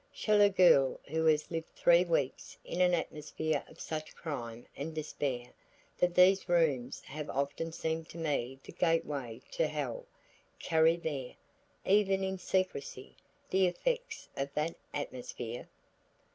Shall a girl who has lived three weeks in an atmosphere of such crime and despair, that these rooms have often seemed to me the gateway to hell, carry there, even in secrecy, the effects of that atmosphere?